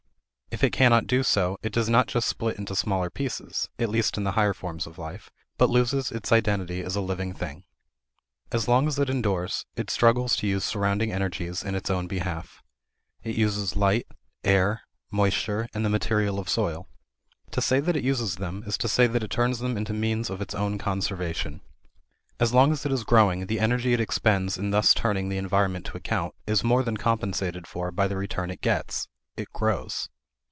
If it cannot do so, it does not just split into smaller pieces (at least in the higher forms of life), but loses its identity as a living thing. As long as it endures, it struggles to use surrounding energies in its own behalf. It uses light, air, moisture, and the material of soil. To say that it uses them is to say that it turns them into means of its own conservation. As long as it is growing, the energy it expends in thus turning the environment to account is more than compensated for by the return it gets: it grows.